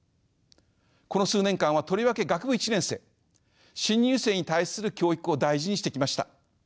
この数年間はとりわけ学部１年生新入生に対する教育を大事にしてきました。